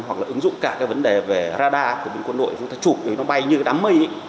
hoặc là ứng dụng cả cái vấn đề về radar của bên quân đội để chúng ta chụp để nó bay như cái đám mây ấy